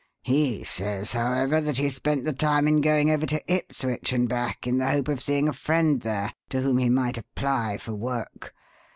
He says, however, that he spent the time in going over to Ipswich and back in the hope of seeing a friend there to whom he might apply for work.